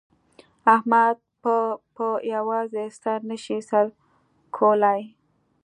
احمد په په یوازې سر نه شي سر کولای.